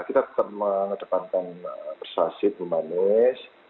kita tetap akan mengedepankan persuasif dan permanis